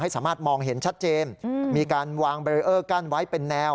สามารถมองเห็นชัดเจนมีการวางเบรเออร์กั้นไว้เป็นแนว